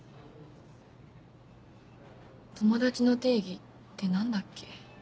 友達の定義って何だっけ？